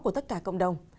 của tất cả cộng đồng